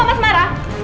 kenapa mas marah